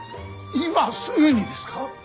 今すぐにですか。